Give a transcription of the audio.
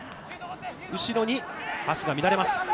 後ろにパスが乱れます。